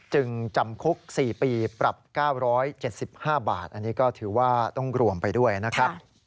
จำคุก๔ปีปรับ๙๗๕บาทอันนี้ก็ถือว่าต้องรวมไปด้วยนะครับ